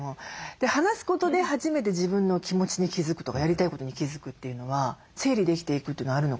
話すことで初めて自分の気持ちに気付くとかやりたいことに気付くというのは整理できていくというのはあるのかなと。